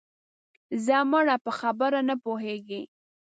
ځه مړه په خبره نه پوهېږې